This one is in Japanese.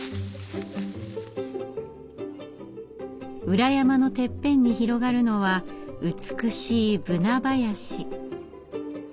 裏山のてっぺんに広がるのは美しいブナ林。